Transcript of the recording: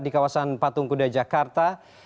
di kawasan patungkuda jakarta